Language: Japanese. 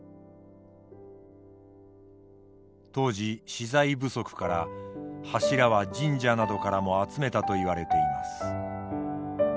当時資材不足から柱は神社などからも集めたといわれています。